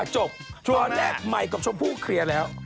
จบตอนแรกใหม่กับชมพู่เคลียร์แล้ว